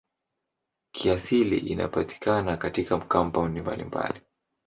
Kiasili inapatikana katika kampaundi mbalimbali.